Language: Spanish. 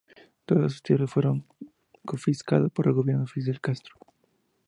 Todas sus tierras fueron confiscada por el gobierno de Fidel Castro.